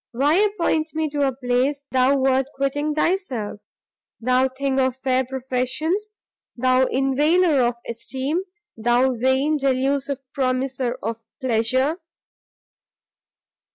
why appoint me to a place thou wert quitting thyself? thou thing of fair professions! thou inveigler of esteem! thou vain, delusive promiser of pleasure!"